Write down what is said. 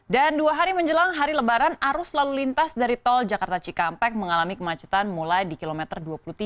dan dua hari menjelang hari lebaran arus lalu lintas dari tol jakarta cikampek mengalami kemacetan mulai di kilometer dua puluh tiga